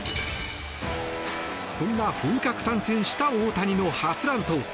そんな本格参戦した大谷の初乱闘。